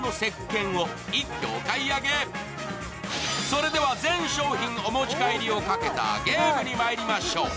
それでは全商品お持ち帰りをかけたゲームにまいりましょう。